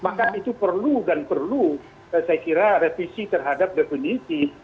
maka itu perlu dan perlu saya kira revisi terhadap definisi